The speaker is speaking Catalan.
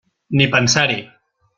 Ni pensar-hi!